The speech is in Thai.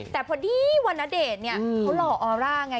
แต่พอดีวรณเดชน์เขารอออร่าไง